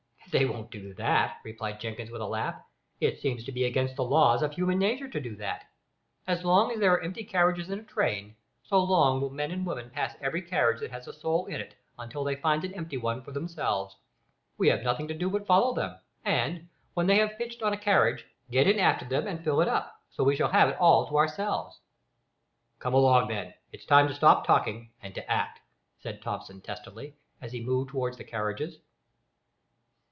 "They won't do that," replied Jenkins with a laugh. "It seems to be against the laws of human nature to do that. As long as there are empty carriages in a train, so long will men and women pass every carriage that has a soul in it, until they find an empty one for themselves. We have nothing to do but follow them, and, when they have pitched on a carriage, get in after them, and fill it up, so we shall have it all to ourselves." "Come along, then; it's time to stop talking and to act," said Thomson, testily, as he moved towards the carriages.